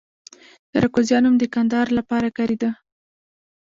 د اراکوزیا نوم د کندهار لپاره کاریده